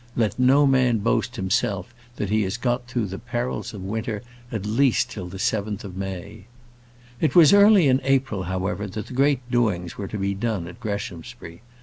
Let no man boast himself that he has got through the perils of winter till at least the seventh of May. It was early in April, however, that the great doings were to be done at Greshamsbury.